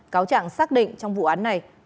cáo trạng xác định trong vụ án này